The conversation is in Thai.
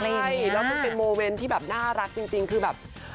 ใช่แล้วมันเป็นโมเมนต์ที่แบบน่ารักจริงคือแบบ